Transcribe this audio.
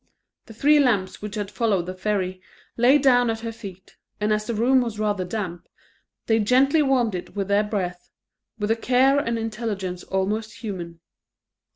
The three lambs which had followed the fairy lay down at her feet, and as the room was rather damp, they gently warmed it with their breath, with a care and intelligence almost human.